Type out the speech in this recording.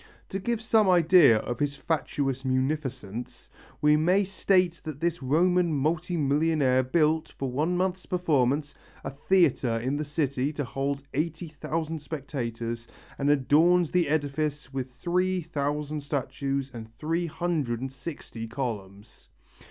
To give some idea of his fatuous munificence, we may state that this Roman multi millionaire built, for one month's performance, a theatre in the city, to hold eighty thousand spectators, and adorned the edifice with three thousand statues and three hundred and sixty columns.